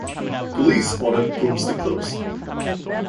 Police ordered pubs to close.